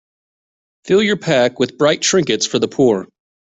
Fill your pack with bright trinkets for the poor.